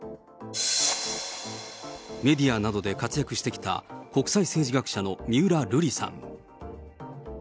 メディアなどで活躍してきた国際政治学者の三浦瑠麗さん。